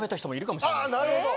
なるほど。